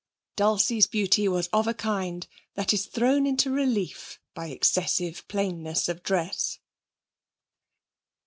Dulcie's beauty was of a kind that is thrown into relief by excessive plainness of dress.